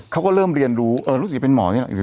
เขาก็เริ่มเรียนรู้รู้สึกเป็นหมอนี่แหละ